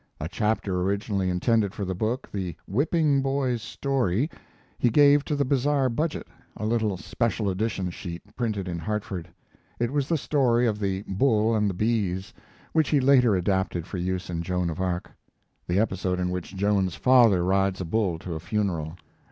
A chapter originally intended for the book, the "Whipping Boy's Story," he gave to the Bazaar Budget, a little special edition sheet printed in Hartford. It was the story of the 'Bull and the Bees' which he later adapted for use in Joan of Arc, the episode in which Joan's father rides a bull to a funeral.